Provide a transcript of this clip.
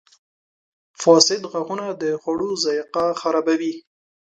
• فاسد غاښونه د خوړو ذایقه خرابوي.